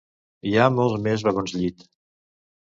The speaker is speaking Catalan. Hi ha molts més vagons llit.